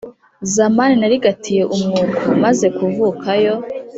zamani narigatiye umwuko, mazekuvukayo